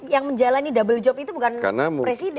yang menjalani double job itu bukan presiden tapi menteri